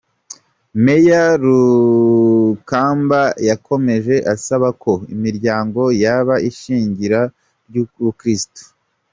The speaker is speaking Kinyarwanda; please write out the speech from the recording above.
Myr Rukamba yakomeje asaba ko imiryango yaba ishingiro ry’ubukristu.